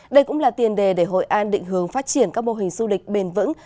đây cũng là tiền đề để hội an định hướng phát triển các mô hình du lịch bền vững